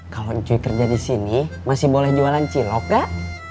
kalau cui kerja di sini masih boleh jualan cilok gak